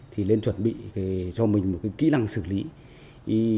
thì nên chuẩn bị cho mình một kỹ năng xử lý